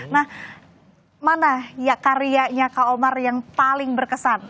nah mana ya karyanya kak omar yang paling berkesan